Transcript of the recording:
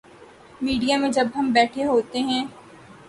Media میں جب ہم بیٹھے ہوتے ہیں۔